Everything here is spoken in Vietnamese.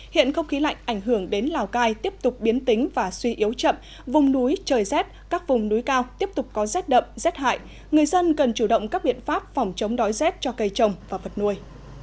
hiện không khí lạnh ảnh hưởng đến lào cai tiếp tục biến tính và suy yếu chậm vùng núi trời rét các vùng núi cao tiếp tục có rét đậm rét hại người dân cần chủ động các biện pháp phòng chống đói rét cho cây trồng và vật nuôi